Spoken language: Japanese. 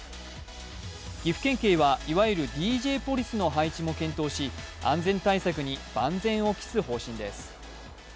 岐阜県警は、いわゆるＤＪポリスの配置も検討し安全対策に万全を期す方針です。